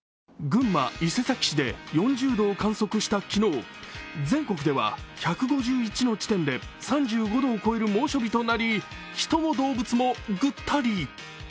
群馬伊勢崎市で４０度を観測した昨日、全国では１５１の地点で３５度を超える猛暑日となり、人も動物もぐったり。